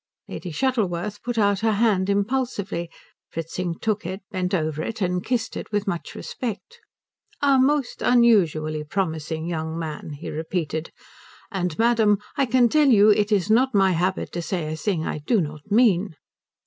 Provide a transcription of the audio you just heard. Lady Shuttleworth put out her hand impulsively. Fritzing took it, bent over it, and kissed it with much respect. "A most unusually promising young man," he repeated; "and, madam, I can tell you it is not my habit to say a thing I do not mean."